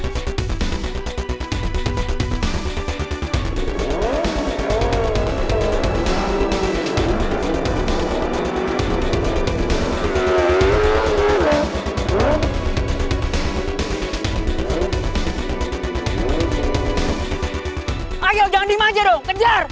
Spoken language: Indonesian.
semuanya diberi pencar